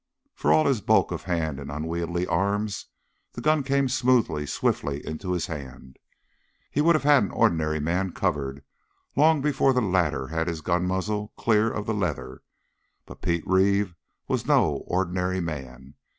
For all his bulk of hand and unwieldy arms, the gun came smoothly, swiftly into his hand. He would have had an ordinary man covered, long before the latter had his gun muzzle clear of the leather. But Pete Reeve was no ordinary man.